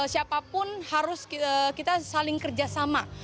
siapapun harus kita saling kerjasama